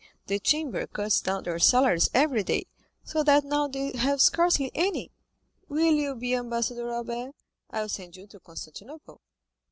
The Chamber cuts down their salaries every day, so that now they have scarcely any. Will you be ambassador, Albert? I will send you to Constantinople."